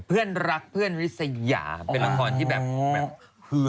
เพื่อนรักเพื่อนศรีเป็นลางคอนที่แบบอ๋อครึ้ท